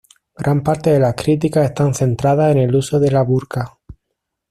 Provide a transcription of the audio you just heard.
Gran parte de las críticas están centradas en el uso de la burka.